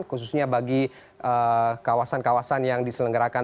khususnya bagi kawasan kawasan yang diselenggarakan